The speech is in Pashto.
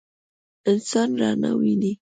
انسان رڼا ویني.